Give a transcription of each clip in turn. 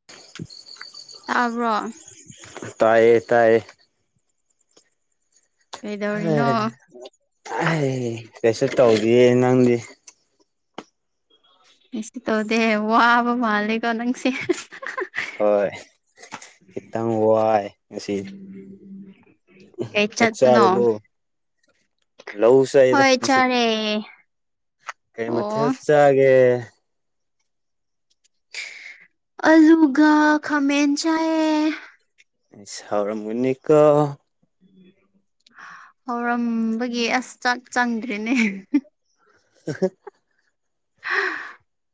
[unintelligible] ꯇꯥꯕ꯭ꯔꯣ ꯇꯥꯏꯌꯦ ꯇꯥꯏꯌꯦ ꯍ ꯀꯩꯗꯧꯔꯤꯅꯣ ꯑꯩ ꯀꯩꯁꯨ ꯇꯧꯗꯌꯦ ꯅꯪꯗꯤ ꯑꯦꯁꯤ ꯇꯧꯗꯦ ꯋꯥꯕ ꯃꯥꯜꯂꯦꯀꯣ ꯅꯪꯁꯦ ꯍꯣꯏ ꯈꯤꯇꯪ ꯋꯥꯏ ꯉꯁꯤ ꯀꯩ ꯆꯥꯛ ꯆꯠꯄꯅꯣ ꯆꯥꯔꯕꯣ ꯍꯣꯏ ꯆꯥꯔꯦ [unintelligible] ꯀꯩ ꯑꯣ ꯃꯊꯦꯜꯠ ꯆꯥꯒꯦ ꯑꯂꯤꯒ ꯈꯃꯦꯟ ꯆꯥꯏꯌꯦ ꯁꯥꯎꯔꯃꯅꯤ ꯀꯣ ꯍꯧꯔꯝꯕꯒꯤ ꯑꯁ ꯆꯥꯛ ꯆꯪꯗ꯭ꯔꯤꯅꯦ [unintelligible]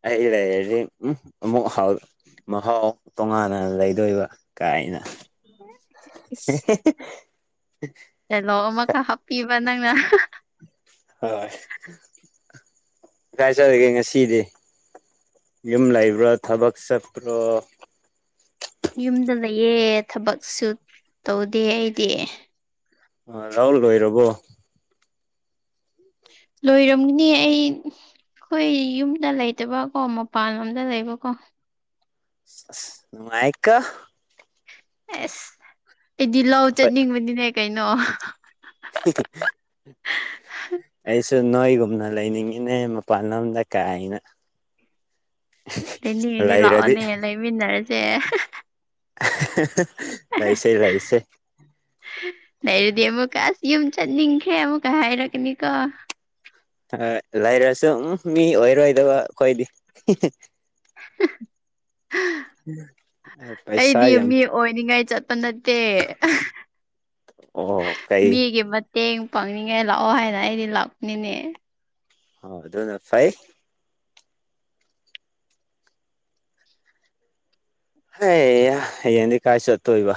ꯑꯩ ꯂꯩꯔꯗꯤ ꯎꯝ ꯑꯃꯨꯛ ꯍꯥꯎ [unintelligible] ꯃꯍꯥꯎ ꯇꯣꯉꯥꯟꯅ ꯂꯩꯗꯣꯏꯕ ꯀꯥꯏꯅ [unintelligible] ꯇꯦꯜꯍꯧ ꯑꯃꯈꯛ ꯍꯥꯞꯄꯤꯕ ꯅꯪꯅ ꯍꯣꯏ ꯀꯥꯏꯆꯔꯒꯦ ꯉꯁꯤꯗꯤ ꯌꯨꯝ ꯂꯩꯕ꯭ꯔꯥ ꯊꯕꯛ ꯆꯠꯄ꯭ꯔꯣ ꯌꯨꯝꯗ ꯂꯩꯌꯦ ꯊꯕꯛꯁꯨ ꯇꯧꯗꯦ ꯑꯩꯗꯤ ꯑ ꯂꯧ ꯂꯣꯏꯔꯕꯣ ꯂꯣꯏꯔꯝꯒꯤꯅꯤ ꯑꯩ ꯑꯩꯈꯣꯏ ꯌꯨꯝꯗ ꯂꯩꯇꯕ ꯀꯣ ꯃꯄꯥꯟꯂꯣꯝꯗ ꯂꯩꯕꯀꯣ [unintelligible] ꯑꯦꯁ ꯑꯩꯗꯤ ꯂꯣ ꯆꯠꯅꯤꯡꯕꯗꯤꯅꯦ ꯀꯩꯅꯣ [unintelligible] ꯑꯩꯁꯨ ꯅꯣꯏꯒꯨꯝꯅ ꯂꯩꯅꯤꯡꯉꯤꯅꯦ ꯃꯄꯥꯟ ꯂꯝꯗ ꯀꯥꯏꯅ [unintelligible] ꯂꯩꯔꯗꯤ ꯆꯠꯃꯤꯟꯅꯔꯁꯦ [unintelligible] ꯂꯩꯁꯦ ꯂꯩꯁꯦ ꯂꯩꯔꯗꯤ ꯑꯃꯨꯛꯀ ꯑꯁ ꯌꯨꯝ ꯆꯠꯅꯤꯡꯈ꯭ꯔꯦ ꯑꯃꯨꯛꯀ ꯍꯥꯏꯔꯛꯒꯅꯤꯀꯣ ꯂꯩꯔꯁꯨ ꯃꯤ ꯑꯣꯏꯔꯣꯏꯗꯕ ꯑꯩꯈꯣꯏꯗꯤ ꯍꯤꯍꯤ ꯑꯦ ꯄꯩꯁꯥ ꯑꯩꯗꯤ ꯌꯥꯝ ꯃꯤ ꯑꯣꯏꯅꯤꯡꯉꯥꯏ ꯆꯠꯄ ꯅꯠꯇꯦ [unintelligible] ꯑꯣ ꯀꯩ ꯃꯤꯒꯤ ꯃꯠ ꯇꯦꯡ ꯄꯥꯡꯅꯤꯡꯉꯥꯏ ꯂꯥꯛꯑꯣ ꯍꯥꯏꯅ ꯑꯩꯗꯤ ꯂꯥꯛꯄꯅꯤꯅꯦ ꯑꯣ ꯑꯗꯨꯅ ꯐꯩ ꯍꯦ ꯍꯌꯦꯡꯗꯤ ꯀꯥꯏ ꯆꯠꯇꯣꯏꯕ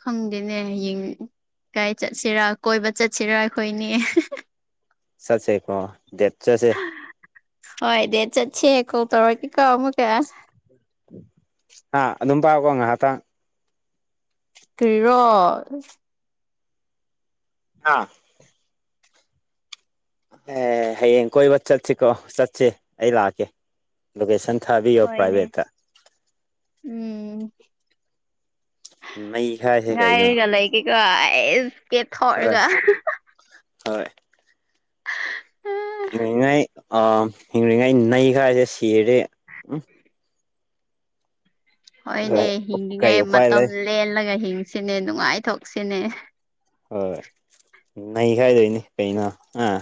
ꯈꯪꯗꯦꯅꯦ ꯍꯌꯦꯡ ꯀꯥꯥꯏ ꯆꯠꯁꯤꯔꯥ ꯀꯣꯏꯕ ꯆꯠꯁꯤꯔꯥ ꯑꯩꯈꯣꯏꯅꯤ [unintelligible] ꯆꯠꯁꯦꯀꯣ ꯗꯦꯠ ꯆꯠꯁꯦ ꯍꯣꯏ ꯗꯤꯠ ꯆꯠꯁꯦ ꯀꯣ ꯇꯧꯔꯛꯀꯦ ꯀꯣ ꯑꯃꯨꯛꯀ ꯑ ꯑꯗꯨꯝ ꯄꯥꯢꯌꯨꯀꯣ ꯉꯍꯥꯛꯇꯪ ꯀꯔꯤꯔꯣ ꯍꯥ ꯑꯦ ꯍꯌꯦꯡ ꯀꯣꯏꯕ ꯆꯠꯁꯤꯀꯣ ꯆꯠꯁꯤ ꯑꯩ ꯂꯥꯛꯀꯦ ꯂꯣꯀꯦꯁꯟ ꯊꯥꯕꯤꯌꯣ ꯍꯣꯏꯅꯦ ꯄ꯭ꯔꯥꯏꯚꯦꯠꯇ ꯎꯝ ꯅꯩꯈꯥꯏꯁꯦ ꯀꯩꯅꯣ ꯉꯥꯏꯔꯒ ꯂꯩ ꯀꯦꯀꯣ ꯑꯦꯁ ꯀꯦ ꯍꯣꯏ ꯊꯔꯒ ꯍꯣꯏ [unintelligible] ꯑ ꯍꯤꯡꯔꯤꯉꯩ ꯅꯩꯒꯥꯏꯁꯦ ꯁꯤꯔꯗꯤ ꯎꯝ ꯍꯣꯏꯅꯦ ꯀꯩ ꯍꯤꯡꯉꯤꯉꯩ ꯎꯄꯥꯏ ꯂꯩ ꯃꯇꯝ ꯂꯦꯜꯂꯒ ꯍꯤꯡꯁꯤꯅꯦ ꯅꯨꯡꯉꯥꯏꯊꯣꯛꯁꯤꯅꯦ ꯍꯣꯏ ꯅꯩ ꯈꯥꯏꯗꯣꯏꯅꯤ ꯀꯩꯅꯣ ꯑꯥ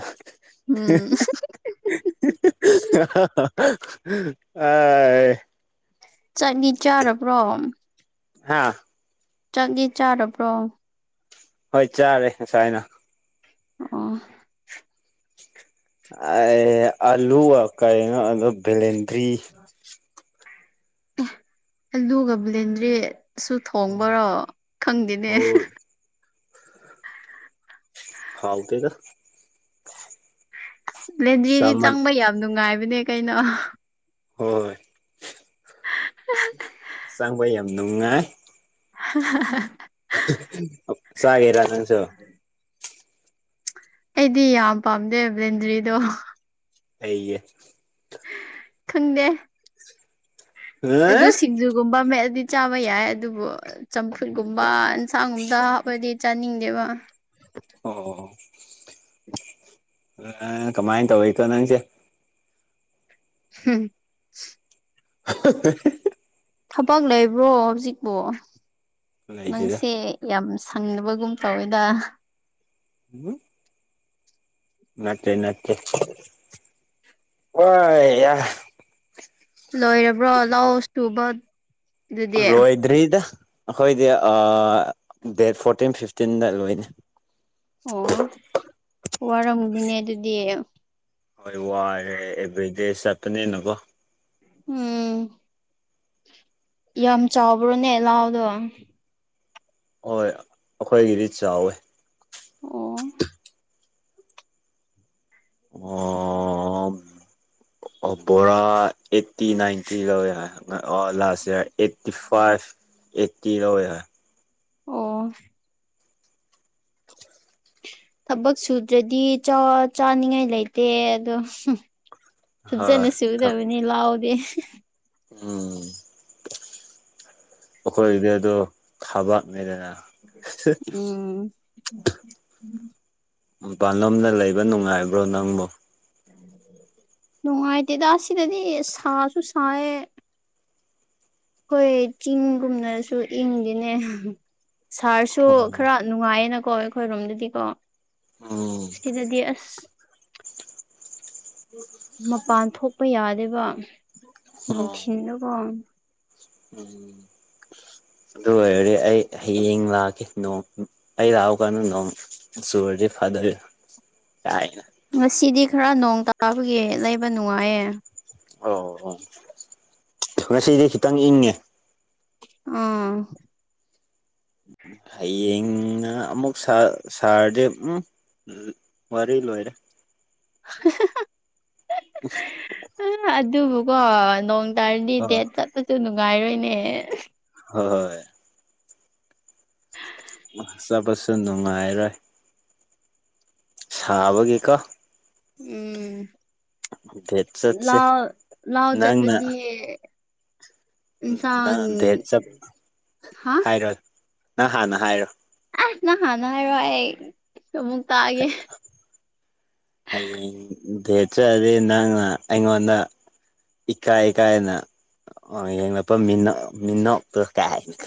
ꯎꯝ [unintelligible] [unintelligible] ꯑ ꯆꯠꯂꯤ ꯆꯥꯔꯕ꯭ꯔꯣ ꯍꯥꯥ ꯆꯥꯛꯒꯤ ꯆꯥꯔꯕ꯭ꯔꯣ ꯍꯣꯏ ꯆꯥꯔꯦ ꯉꯁꯥꯏꯅ ꯑꯣ ꯑ ꯑꯜꯂꯨ ꯑ ꯀꯅꯣ ꯑꯗꯨ ꯕꯂꯦꯟꯗ꯭ꯔꯤ ꯑꯦ ꯑꯂꯨꯒ ꯕꯂꯦꯟꯗ꯭ꯔꯔꯤꯁꯨ ꯊꯣꯡꯕꯔꯣ ꯈꯪꯗꯦꯅꯦ ꯍꯣꯏ ꯍꯥꯎꯇꯦꯗ ꯂꯦꯗ꯭ꯔꯤꯗꯤ ꯆꯥꯃꯟ ꯆꯪꯕ ꯌꯥꯝ ꯅꯨꯡꯉꯥꯏꯕꯅꯦ ꯀꯩꯅꯣ ꯍꯣꯏ [unintelligible] ꯆꯪꯕ ꯌꯥꯝ ꯅꯨꯡꯉꯥꯏ [unintelligible] [unintelligible] ꯆꯒꯦꯔꯥ ꯅꯪꯁꯨ [unintelligible] ꯑꯩꯗꯤ ꯌꯥꯝ ꯄꯥꯝꯗꯦ ꯕꯦꯟꯗ꯭ꯔꯤꯗꯣ ꯀꯩꯒꯤ ꯈꯪꯗꯦ ꯑꯗꯨ ꯑꯥ ꯁꯤꯡꯖꯨꯒꯨꯝꯕ ꯃꯦꯟꯂꯥꯗꯤ ꯆꯥꯕ ꯌꯥꯏ ꯑꯗꯨꯕꯨ ꯆꯝꯐꯨꯠꯒꯨꯝꯕ ꯌꯦꯟꯁꯥꯡꯒꯨꯝꯝꯇ ꯍꯥꯞꯄꯗꯤ ꯆꯥꯅꯤꯡꯗꯦꯕ ꯑꯣ ꯑ ꯀꯃꯥꯏ ꯇꯧꯏꯀꯣ ꯅꯪꯁꯦ [unintelligible] [unintelligible] ꯊꯕꯛ ꯂꯩꯕ꯭ꯔꯣ ꯍꯧꯖꯤꯛꯄꯣ ꯂꯩꯇꯦꯗ ꯅꯪꯁꯦ ꯌꯥꯝ ꯁꯪꯗꯕꯒꯨꯝ ꯇꯧꯋꯦꯗ [unintelligible] ꯅꯠꯇꯦ ꯅꯠꯇꯦ [inaudible] ꯂꯣꯏꯔꯕ꯭ꯔꯣ ꯂꯧ ꯁꯨꯕ ꯑꯗꯨꯗꯤ ꯂꯣꯏꯗ꯭ꯔꯤꯗ ꯑꯩꯈꯣꯏꯗꯤ ꯑꯥ ꯗꯦꯠ ꯐꯣꯔꯇꯤꯟ ꯐꯤꯐꯇꯤꯟꯗ ꯂꯣꯏꯅꯤ ꯑꯣ ꯋꯥꯔꯝꯅꯤꯅꯦ ꯑꯗꯨꯗꯤ ꯍꯣꯏ ꯋꯥꯔꯦ ꯑꯦꯕ꯭ꯔꯤꯗꯦ ꯆꯠꯄꯅꯦꯅꯀꯣ ꯎꯝ ꯌꯥꯝ ꯆꯥꯎꯕ꯭ꯔꯣꯅꯦ ꯂꯥꯎꯗꯣ ꯍꯣꯏ ꯑꯩꯈꯣꯏꯒꯤꯗꯤ ꯆꯥꯎꯋꯦ ꯑꯣ [unintelligible] [unintelligible] ꯑꯣ ꯕꯣꯔꯥ ꯑꯦꯠꯇꯤ ꯅꯥꯏꯟꯇꯤ ꯂꯧꯋꯦ ꯍꯥꯏ last year eighty five eighty ꯂꯧꯋꯦ ꯍꯥꯏ ꯑꯣ ꯊꯕꯛ ꯁꯨꯗ꯭ꯔꯗꯤ ꯆꯥꯅꯤꯡꯉꯥꯏ ꯂꯩꯇꯦ ꯑꯗꯣ ꯐꯖꯅ ꯍꯣꯏ ꯁꯨꯗꯕꯅꯤ ꯂꯥꯎꯗꯤ ꯎꯝ ꯑꯩꯈꯣꯏꯒꯤꯗꯤꯗꯣ ꯊꯥꯕꯛꯅꯦꯗꯅ ꯎꯝ ꯃꯄꯥꯟꯂꯣꯝꯅ ꯂꯩꯕ ꯅꯨꯡꯉꯥꯏꯕ꯭ꯔꯣ ꯅꯪꯕꯨ ꯅꯨꯡꯉꯥꯏꯇꯦꯗ ꯑꯁꯤꯗꯗꯤ ꯁꯥꯁꯨ ꯁꯥꯏꯌꯦ ꯍꯈꯣꯏ ꯆꯤꯡꯒꯨꯝꯅꯁꯨ ꯏꯪꯗꯤꯅꯦ ꯁꯥꯔꯁꯨ ꯈꯔ ꯅꯨꯡꯉꯥꯏꯌꯦꯅꯀꯣ ꯑꯩꯈꯣꯏꯔꯣꯝꯗꯗꯤꯀꯣ ꯎꯝ ꯁꯤꯗꯗꯤ ꯑꯁ [unintelligible] ꯃꯄꯥꯟ ꯊꯣꯛꯄ ꯌꯥꯗꯦꯕ ꯅꯨꯡꯊꯤꯟꯗꯀꯣ ꯎꯝ ꯑꯗꯨ ꯑꯣꯏꯔꯗꯤ ꯑꯩ ꯍꯌꯦꯡ ꯂꯥꯛꯀꯦ ꯅꯣꯡ ꯑꯩ ꯂꯥꯛꯎ ꯀꯥꯟꯗꯨ ꯅꯣꯡ ꯆꯨꯔꯗꯤ ꯐꯥꯗꯣꯏꯔ ꯀꯥꯏꯅ ꯉꯁꯤꯗꯤ ꯈꯔ ꯅꯣꯡ ꯇꯥꯕꯒꯤ ꯂꯩꯕ ꯅꯨꯡꯉꯥꯏꯌꯦ ꯑꯣ ꯑꯣ ꯉꯁꯤꯗꯤ ꯈꯤꯇꯪ ꯏꯪꯉꯦ ꯎꯝ ꯍꯌꯦꯡꯅ ꯑꯃꯨꯛ ꯁꯥꯔ ꯁꯥꯔꯗꯤ ꯎꯝ ꯎꯝ ꯋꯥꯔꯤ ꯑꯣꯏꯔꯦ [unintelligible] [unintelligible] ꯑꯗꯨꯕꯨꯀꯣ ꯅꯣꯡ ꯇꯥꯔꯗꯤ ꯑ ꯍꯣꯏ ꯗꯦꯠ ꯆꯠꯄꯁꯨ ꯅꯨꯡꯉꯥꯏꯔꯣꯏꯅꯦ ꯍꯣꯏ ꯍꯣꯏ ꯆꯠꯄꯁꯨ ꯅꯨꯡꯉꯥꯏꯔꯣꯏ ꯁꯥꯕꯒꯤ ꯎꯝ ꯗꯦꯠ ꯆꯠꯁꯦ ꯂꯥꯎ ꯂꯥꯎ ꯅꯪꯅ ꯆꯠꯄꯗꯤ ꯏꯟꯁꯥꯡ ꯅꯪ ꯗꯦꯠ ꯆꯞ ꯍꯥ ꯑ ꯍꯥꯟꯅ ꯍꯥꯏꯔꯣ ꯑꯁ ꯅꯍꯥꯟꯅ ꯍꯥꯏꯔꯣꯏ ꯑꯩ ꯑꯃꯨꯛ ꯇꯥꯛꯑꯒꯦ ꯊꯣꯏꯆꯔꯦ ꯅꯪꯅ ꯑꯩꯉꯣꯟꯗꯥ ꯏꯀꯥꯏ ꯀꯥꯏꯅ ꯌꯦꯡꯂꯛꯄ ꯃꯤꯅ ꯃꯤꯅꯄ ꯀꯥꯏꯅ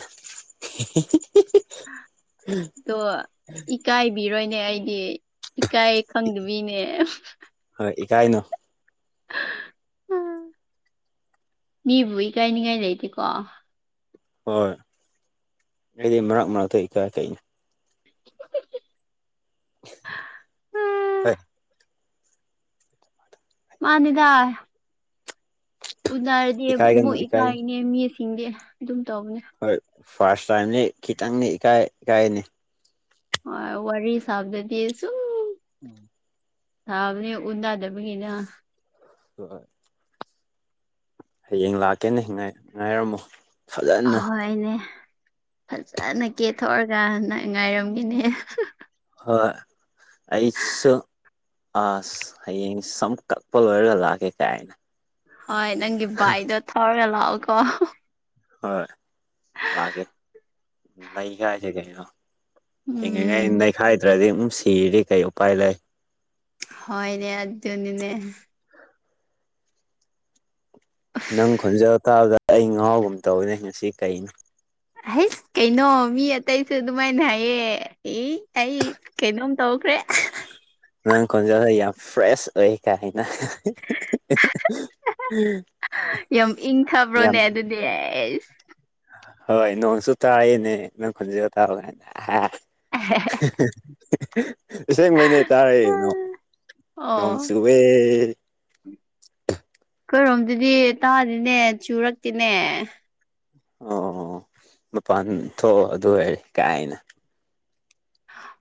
[unintelligible] [inaudible] ꯑꯣ ꯏꯀꯥꯏꯕꯤꯔꯣꯏꯅꯦ ꯑꯩꯗꯤ ꯏꯀꯥꯏ ꯈꯪꯗꯕꯤꯅꯦ ꯍꯣꯏ ꯏꯀꯥꯏꯅꯣ ꯃꯤꯕꯨ ꯏꯀꯥꯏꯅꯤꯡꯉꯥꯏ ꯂꯩꯇꯦꯀꯣ ꯍꯣꯏ ꯑꯩꯗꯤ ꯃꯛ ꯃꯔꯛꯇ ꯏꯀꯥꯏ ꯀꯛꯅꯦ [unintelligible] ꯍꯣꯏ ꯃꯥꯅꯤꯗ ꯎꯅꯔꯗꯤꯦ ꯏꯀꯥꯏꯒꯅꯨ ꯃꯛ ꯏꯀꯥꯏꯒꯅꯨ ꯏꯀꯥꯏꯅꯦ ꯃꯤꯁꯤꯡꯗꯦ ꯑꯗꯨꯝ ꯇꯧꯕꯅꯦ ꯍꯣꯏ ꯐꯥꯔꯁ ꯇꯥꯏꯝꯗꯤ ꯈꯤꯇꯪꯅꯤ ꯏꯀꯥꯏ ꯏꯀꯥꯏꯅꯤ ꯍꯣꯏ ꯋꯥꯔꯤꯔꯤ ꯁꯥꯥꯕꯗꯗꯤꯁꯨ ꯎꯝ ꯁꯥꯕꯅꯦ ꯎꯟꯅꯗꯕꯒꯤꯅ [inaudible] ꯍꯌꯦꯡ ꯂꯥꯛꯀꯦꯅ ꯉꯥꯏꯔꯝꯃꯣ ꯐꯖꯅ ꯑꯍꯣꯏꯅꯦ ꯐꯖꯅ ꯀꯦꯊꯣꯛꯑꯒ ꯅꯪ ꯉꯥꯏꯔꯝꯒꯤꯅꯦ ꯍꯣꯏ ꯑꯁ ꯑꯁ ꯍꯌꯦꯡ ꯁꯝ ꯀꯛꯄ ꯂꯣꯏꯔꯒ ꯂꯥꯛꯑꯀꯦ ꯀꯥꯏꯅ ꯍꯣꯏ ꯅꯪꯒꯤ ꯏꯗꯣ ꯊꯧꯔꯒꯂꯥꯎꯀꯣ ꯍꯣꯏꯣꯏ ꯂꯥꯛꯀꯦ ꯂꯩ ꯀꯥꯏꯁꯦ ꯀꯩꯅꯣ ꯍꯤꯡꯉꯤꯉꯩ ꯎꯝ ꯅꯩꯈꯥꯏꯗ꯭ꯔꯗꯤ ꯑꯃꯝ ꯁꯤꯔꯤ ꯀꯩ ꯎꯄꯥꯏ ꯂꯩ ꯍꯣꯢꯅꯦ ꯑꯗꯨ ꯑꯗꯨꯅꯤꯅꯦ ꯅꯪ ꯈꯣꯟꯖꯣꯜ ꯇꯥꯕꯗ ꯑꯩ ꯉꯍꯥꯎꯒꯨꯝ ꯇꯧꯅꯦ ꯉꯁꯤ ꯀꯩꯅꯣ ꯍꯁ ꯀꯩꯅꯣ ꯃꯤ ꯑꯇꯩꯁꯨ ꯑꯗꯨꯃꯥꯏꯅ ꯍꯥꯏꯌꯦ ꯑꯩ ꯀꯩꯅꯣꯝ ꯇꯧꯈ꯭ꯔꯦ ꯅꯪ ꯈꯣꯟꯖꯦꯜꯗꯣ ꯌꯥꯝ ꯐ꯭ꯔꯦꯁ ꯑꯣꯏ ꯀꯥꯏꯅ ꯌꯥꯝ ꯁꯦꯁ ꯍꯣꯏ ꯅꯣꯡꯁꯨ ꯇꯥꯏꯅꯦ ꯅꯪ ꯈꯨꯟꯖꯒ ꯇꯥ ꯀꯥꯏꯗ ꯑꯁꯦꯡꯃꯩꯅꯦ ꯇꯥꯔꯥ ꯑꯣ ꯅꯣꯡ ꯆꯨꯋꯦ ꯑꯩꯈꯣꯏꯔꯣꯝꯗꯗꯤ ꯇꯥꯗꯤꯅꯦ ꯆꯨꯔꯛꯇꯤꯅꯦ ꯑꯣ ꯃꯄꯥꯟ ꯊꯣꯛ ꯑꯗꯨ ꯑꯣꯏꯔꯦ ꯀꯥꯏꯅ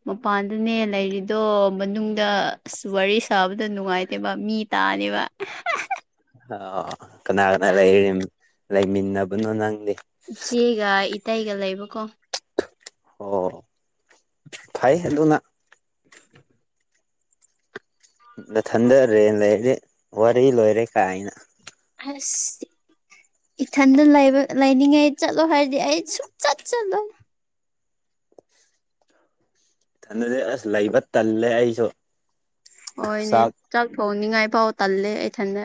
ꯃꯄꯥꯟꯗꯨꯅꯦ ꯂꯩꯔꯤꯗꯣ ꯃꯅꯨꯡꯗ ꯑꯁ ꯋꯥꯔꯤ ꯁꯥꯕꯗ ꯅꯨꯡꯉꯥꯏꯇꯦꯕ ꯃꯤ ꯇꯥꯅꯦꯕ ꯑ ꯀꯅꯥ ꯀꯅꯥ ꯂꯩ ꯂꯩꯃꯤꯟꯅꯕꯅꯣ ꯅꯪꯗꯤ ꯏꯆꯦꯒ ꯏꯇꯩꯒ ꯂꯩꯕꯀꯣ ꯑꯣ ꯐꯩ ꯑꯗꯨꯅ ꯅꯥꯊꯟꯗ ꯔꯦꯟ ꯂꯩꯔꯦ ꯋꯥꯔꯤ ꯂꯣꯏꯔꯦ ꯀꯥꯏꯅ ꯍꯩꯁ ꯏꯊꯟꯗ ꯂꯩꯕ ꯂꯩꯅꯤꯡꯉꯥꯏ ꯆꯠꯂꯣ ꯍꯥꯏꯔꯗꯤ ꯑꯩ ꯁꯨꯡꯆꯠ ꯆꯠꯂꯣꯏ ꯑꯗꯨꯗꯤ ꯑꯁ ꯂꯩꯕ ꯇꯜꯂꯦ ꯑꯩꯁꯨ ꯍꯣꯏꯅꯦ ꯆꯥꯛ ꯊꯥꯡꯅꯤꯡꯉꯥꯏ ꯐꯥꯎ ꯇꯜꯂꯦ ꯏꯊꯟꯗ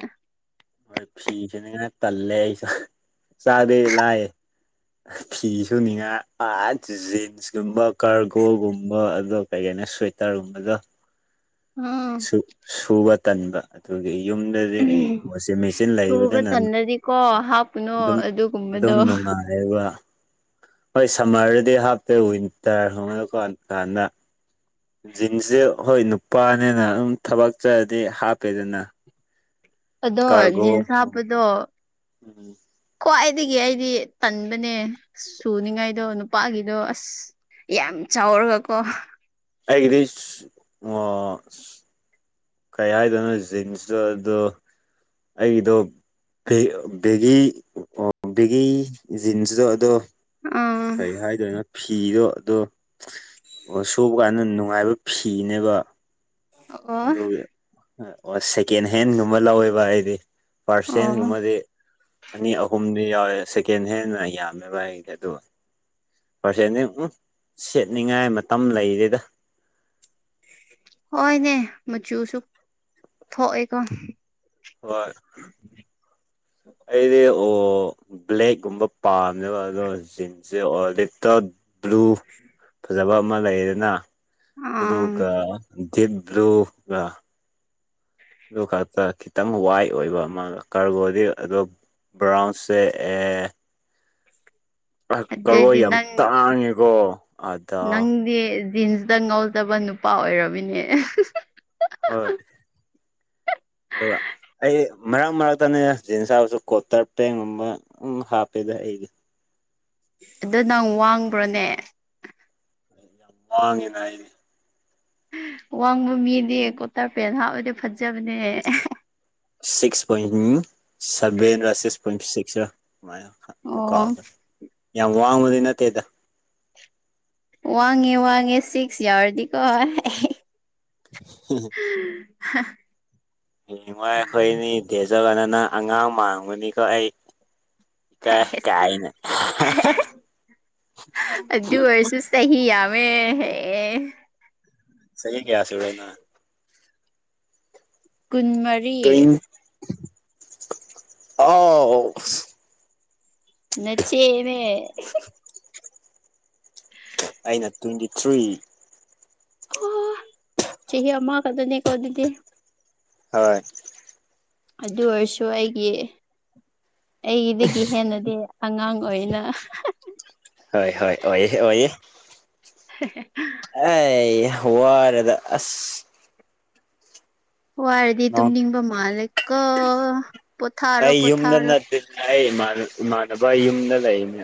ꯐꯤ ꯇꯜꯂꯦ ꯑꯩꯁꯨ [inaudible] ꯐꯤ ꯁꯨꯅꯤꯡꯉꯥꯏ ꯑꯥꯠ ꯖꯤꯟꯁꯀꯨꯝꯕ ꯀꯥꯔꯒꯣꯒꯨꯝꯕ ꯑꯗꯣ ꯀꯩꯒꯩꯅꯅꯣ ꯁ꯭ꯋꯦꯇꯔꯒꯨꯝꯕꯗꯣ ꯎꯝ ꯁ ꯁꯨꯕ ꯇꯟꯕ ꯑꯗꯨꯒꯤ ꯌꯨꯝꯗꯗꯤ ꯋꯥꯁꯤꯡ ꯃꯦꯆꯤꯟ ꯂꯩꯕꯅꯤꯅ ꯀꯅꯣ ꯑꯗꯨꯒꯨꯝꯕꯗꯣ ꯑꯗꯨꯒꯕ ꯍꯣꯏ ꯁꯝꯃꯔꯗꯨꯗꯤ ꯍꯥꯞꯇꯦ ꯋꯤꯟꯇꯔ ꯈꯕꯗꯀꯣ ꯀꯥꯟꯗ ꯖꯤꯟꯁꯁꯦ ꯍꯣꯏ ꯅꯨꯄꯥꯅꯤꯅ ꯑꯗꯨꯝ ꯊꯕꯛ ꯆꯔꯗꯤ ꯍꯥꯞꯄꯦꯗꯅ ꯑꯗꯣ ꯀꯥꯔꯒꯣ ꯖꯤꯟꯁ ꯍꯥꯞꯄꯗꯣ ꯎꯝ ꯈ꯭ꯋꯥꯏꯗꯒꯤ ꯑꯩꯗꯤ ꯇꯟꯕꯅꯦ ꯁꯨꯅꯤꯉꯥꯏꯗꯣ ꯅꯨꯄꯥꯒꯤꯗꯣ ꯑꯁ ꯌꯥꯝ ꯆꯥꯎꯔꯒꯀꯣ ꯑꯩꯒꯤꯗꯤ ꯑꯣ ꯀꯩ ꯍꯥꯏꯗꯣꯏꯅꯣ ꯖꯤꯟꯁꯇꯣ ꯑꯗꯨꯣ ꯑꯩꯒꯤꯗꯣ ꯕꯦꯒꯤ ꯑꯣ ꯕꯦꯒꯤ ꯖꯤꯟꯁꯗꯣ ꯑꯗꯣ ꯑꯥ ꯀꯩ ꯍꯥꯏꯗꯣꯏꯦ ꯅ ꯐꯤꯗꯣ ꯑꯗꯣ ꯁꯣꯛꯕ ꯀꯥꯟꯗ ꯅꯨꯡꯉꯥꯏꯕ ꯐꯤꯅꯦꯕ ꯑꯣ ꯑꯗꯨ ꯁꯦꯀꯦꯟ ꯍꯦꯟꯒꯨꯝꯕ ꯂꯧꯋꯦꯕ ꯍꯥꯏꯗꯤ ꯐꯥꯔꯁ ꯑꯣ ꯍꯦꯟꯒꯨꯝꯕꯗꯤ ꯑꯅꯤ ꯑꯍꯨꯝꯗꯤ ꯌꯥꯎꯋꯦ ꯁꯦꯀꯦꯟ ꯍꯦꯟꯅ ꯌꯥꯝꯃꯦꯕ ꯍꯥꯏꯁꯦ ꯑꯗꯨ ꯄꯥꯔꯁꯦꯟ ꯁꯦꯠꯅꯤꯡꯉꯥꯏ ꯃꯇꯝ ꯂꯩꯔꯤꯗ ꯍꯣꯏꯅꯦ ꯃꯆꯨꯁꯨ ꯊꯣꯛꯑꯦꯀꯣ ꯍ ꯑꯩꯗꯤ ꯑꯣ ꯕ꯭ꯂꯦꯛꯀꯨꯝꯕ ꯄꯥꯝꯃꯦꯕ ꯑꯗꯣ ꯖꯤꯟꯁꯁꯦ ꯑꯣꯔꯂꯤꯞꯇ ꯕ꯭ꯂꯨ ꯐꯖꯕ ꯑꯃ ꯂꯩꯗꯅ ꯑꯥ ꯑꯗꯨꯒ ꯗꯤꯕ꯭ꯔꯨꯒ ꯑꯗꯨ ꯈꯛꯇ ꯈꯤꯇꯪ ꯋꯥꯏ ꯑꯣꯏꯕ ꯑꯃ ꯀꯔꯕꯣꯗꯤ ꯑꯣ ꯕ꯭ꯔꯥꯎꯟꯁꯦ ꯑꯦ ꯀꯔꯣ ꯑꯗꯗꯤ ꯌꯥꯝ ꯅꯪ ꯇꯥꯡꯉꯦꯀꯣ ꯑꯗ ꯅꯪꯗꯤꯦ ꯖꯤ ꯇ ꯉꯧꯗꯕ ꯅꯨꯄꯥ ꯑꯣꯏꯔꯝꯃꯤꯅꯦ ꯍꯣꯏ ꯑꯗꯨꯒ ꯑꯩ ꯃꯔꯛ ꯃꯔꯛꯇꯅꯦ ꯖꯤꯟꯁ ꯍꯥꯏꯕꯁꯨ ꯀꯣꯇꯔ ꯄꯦꯟꯒꯨꯝꯕ ꯍꯥꯞꯄꯦꯗ ꯑꯩꯗꯤ ꯑꯗ ꯅꯪ ꯋꯥꯡꯕ꯭ꯔꯣꯅꯦ ꯋꯥꯉꯤ ꯅꯥꯏꯅꯤ ꯋꯥꯡꯕ ꯃꯤꯗꯤ ꯀꯨꯔꯇꯥꯔ ꯄꯦꯟ ꯍꯥꯞꯄꯗꯤ ꯐꯖꯕꯅꯦ ꯁꯤꯛꯁ ꯄꯣꯏꯟ ꯁꯦꯚꯦꯟ ꯔ ꯁꯤꯛꯁ ꯄꯣꯏꯟ ꯁꯤꯛꯁ ꯔ ꯅꯨꯡꯃꯣ ꯑꯣ ꯃꯨꯛꯀꯥꯎꯈ ꯌꯥꯝ ꯋꯥꯡꯕꯗꯤ ꯅꯠꯇꯦꯗ ꯋꯥꯡꯉꯦ ꯋꯥꯡꯉꯦ ꯁꯤꯛꯁ ꯌꯥꯎꯔꯗꯤꯀꯣ ꯍ ꯋꯥꯏ ꯑꯩꯈꯣꯏꯅꯤ ꯇꯦꯖꯕꯗ ꯅꯪ ꯑꯉꯥꯡ ꯃꯥꯡꯒꯅꯤꯀꯣ ꯑꯩ ꯀ ꯀꯥꯏ ꯅ ꯁꯍꯤ ꯌꯥꯋꯦ ꯁꯍꯤ ꯀꯌꯥ ꯁꯤꯔꯦꯅ ꯀꯨꯟꯃꯔꯤ ꯇ꯭ꯋꯦꯟ ꯑꯥꯎ ꯅꯆꯦꯃꯦ ꯑꯩꯅ ꯇ꯭ꯋꯦꯟꯇꯤ ꯊ꯭ꯔꯤ ꯑꯣ ꯁꯤꯍꯤ ꯑꯃꯃ ꯀꯗꯅꯤ ꯀꯣꯤꯗꯤ ꯍꯣꯏ ꯑꯗꯨ ꯑꯣꯏꯔꯁꯨ ꯑꯩꯒꯤ ꯑꯩꯒꯤꯗꯒꯤ ꯍꯦꯟꯅꯗꯤ ꯑꯉꯥꯡ ꯑꯣꯏꯅ ꯍꯣꯏ ꯍꯣꯏ ꯑꯣꯏ ꯑꯣꯏꯌꯦ ꯍꯦꯍꯦ ꯑꯦ ꯋꯥꯔꯦꯗ ꯑꯁ ꯋꯥꯔꯗꯤ ꯅꯣꯡ ꯇꯨꯝꯅꯤꯡꯕ ꯃꯥꯜꯂꯦꯀꯣ ꯄꯣꯊꯥꯔꯣ ꯑꯩ ꯌꯨꯝꯗ ꯄꯣꯊꯥꯔꯣ ꯅꯠꯇꯦ ꯑꯩ ꯏꯃꯥꯟꯅꯕ ꯌꯨꯝꯗ ꯂꯩꯅꯦ